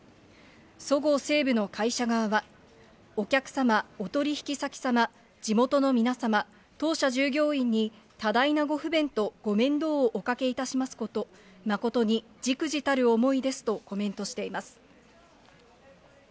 そごう・西武の会社側は、お客様、お取り引き先様、地元の皆様、当社従業員に、多大なご不便とご面倒をおかけいたしますこと、誠にじくじたる思いですとコメントしています。